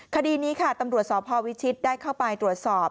คดีนี้ค่ะตำรวจสพวิชิตได้เข้าไปตรวจสอบ